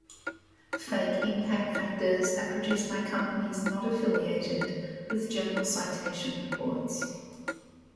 Fake impact factors are produced by companies not affiliated with Journal Citation Reports.